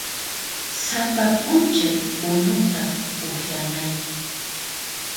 Sapa p'unchay unuta uhanayki.